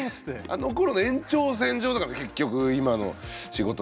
あのころの延長線上だから結局今の仕事なんてね。